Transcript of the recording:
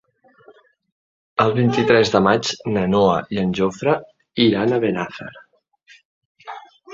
El vint-i-tres de maig na Noa i en Jofre iran a Benafer.